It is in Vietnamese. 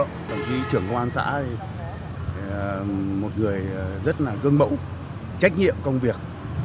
đồng chí trưởng công an xã một người rất là gương mẫu trách nhiệm công việc